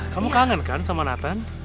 kamu kangen kan sama nathan